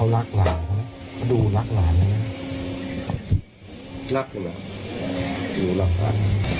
นักหนาวหรือรักษา